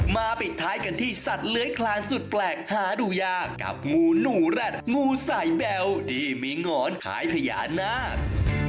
ปิดท้ายกันที่สัตว์เลื้อยคลานสุดแปลกหาดูยากกับงูหนูแร็ดงูสายแบวที่มีหงอนคล้ายพญานาค